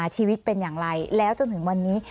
ชีวิตเป็นอย่างไรแล้วจนถึงวันนี้